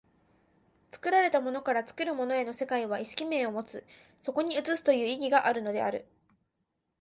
作られたものから作るものへの世界は意識面を有つ、そこに映すという意義があるのである。